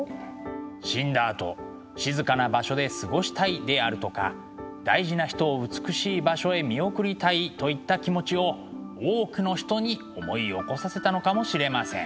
死んだあと静かな場所で過ごしたいであるとか大事な人を美しい場所へ見送りたいといった気持ちを多くの人に思い起こさせたのかもしれません。